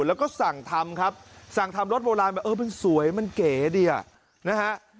แล้วก็สั่งทำครับสั่งทำรถโบราณมาเออมันสวยมันเก๋ดีอ่ะนะฮะ